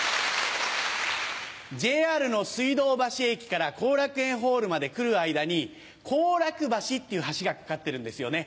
ＪＲの水道橋駅から後楽園ホールまで来る間に後楽橋っていう橋が架かってるんですよね。